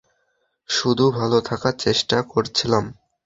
শুধু ভালো থাকার চেষ্টা করছিলাম।